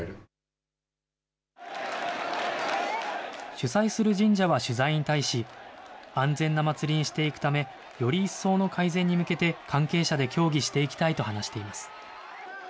主催する神社は取材に対し、安全な祭りにしていくため、より一層の改善に向けて、関係者で協議していきたいと話しています。